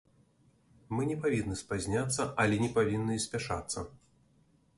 Мы не павінны спазняцца, але не павінны і спяшацца.